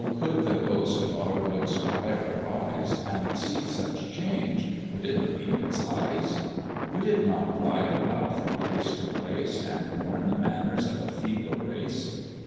could the ghost of our good 'squire arise, And see such change; would it believe its eyes? Would it not glide about from place to place, And mourn the manners of a feebler race?